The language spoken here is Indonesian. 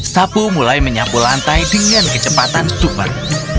sapu mulai menyapu lantai dengan kecepatan super